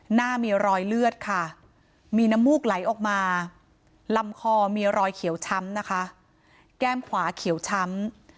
หน้ามีรอยเลือดค่ะมีน้ำมูกไหลออกมาลำคอมีรอยเขียวช้ำนะคะแก้มขวาเขียวช้ำ